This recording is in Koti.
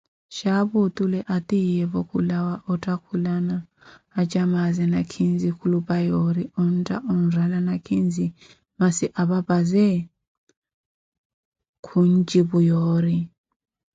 Xaapu otule atiiyevu khulawa ottakhulana acamaaze nakhinzi, khulupa yoori ontakha onrala nakhinzi, masi apapazawe khucipu yoori.